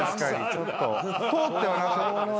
ちょっと通ってはなかったです。